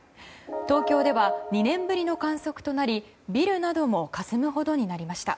東京では２年ぶりの観測となりビルなどもかすむほどになりました。